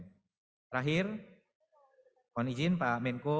terakhir mohon izin pak menko